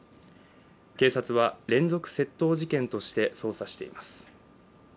警察は連続窃盗事件として捜査しています。